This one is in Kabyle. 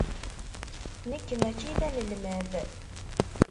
Nekk mačči d anelmad.